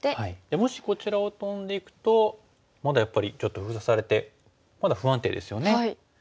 もしこちらをトンでいくとまだやっぱりちょっと封鎖されてまだ不安定ですよね。